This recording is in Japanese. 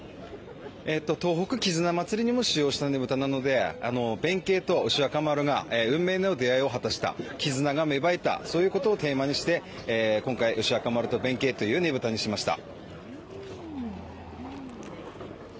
東北絆祭りにも使用したねぶたなので弁慶と牛若丸が運命の出会いを果たした絆が芽生えた、そういうことをテーマにして、今回、牛若丸と弁慶というねぶたにしました。